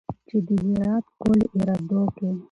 چې د هرات قول اردو کې